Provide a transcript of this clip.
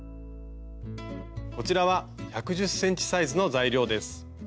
こちらは１１０ｃｍサイズの材料です。